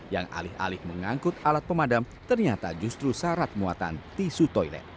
yang alih alih mengangkut alat pemadam ternyata justru syarat muatan tisu toilet